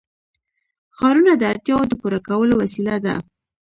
ښارونه د اړتیاوو د پوره کولو وسیله ده.